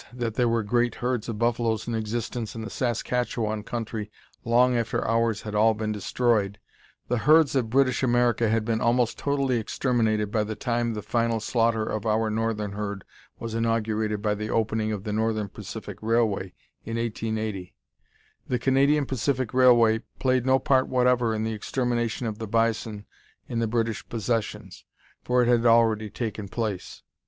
that there were great herds of buffaloes in existence in the Saskatchewan country long after ours had all been destroyed, the herds of British America had been almost totally exterminated by the time the final slaughter of our northern herd was inaugurated by the opening of the Northern Pacific Railway in 1880. The Canadian Pacific Railway played no part whatever in the extermination of the bison in the British Possessions, for it had already taken place.